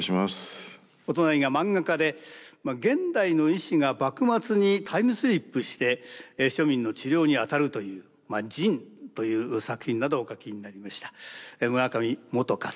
お隣が漫画家で現代の医師が幕末にタイムスリップして庶民の治療に当たるという「ＪＩＮ−仁−」という作品などをお書きになりました村上もとかさんです。